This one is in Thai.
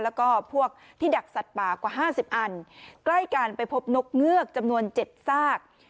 แล้วก็พวกที่ดักสัตว์ป่ากว่า๕๐อันใกล้กันไปพบนกเงือกจำนวน๗ซาก